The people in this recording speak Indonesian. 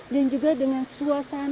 dan juga dengan suasana